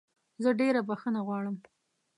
زه ډېره بخښنه غواړم